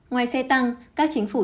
ngoài xe tăng các chính phủ